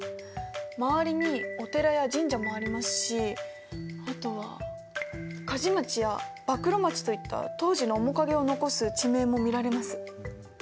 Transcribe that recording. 周りにお寺や神社もありますしあとは鍛冶町や馬喰町といった当時の面影を残す地名も見られます。